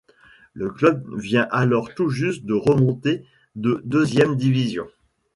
Le club vient alors tout juste de remonter de deuxième division.